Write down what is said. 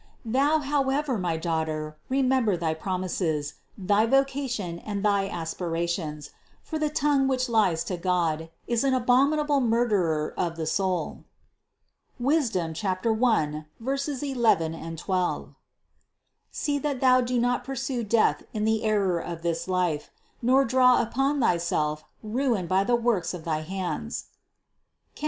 614. Thou however, my daughter, remember thy promises, thy vocation and thy aspirations; for the tongue which lies to God, is an abominable murderer of the soul (Wisdom 1, 11, 12) : see that thou do not pursue death in the error of this life, nor draw upon thyself ruin by the work of thy hands (Cant.